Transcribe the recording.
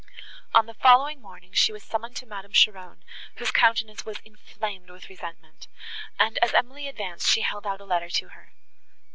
On the following morning, she was summoned to Madame Cheron, whose countenance was inflamed with resentment, and, as Emily advanced, she held out a letter to her.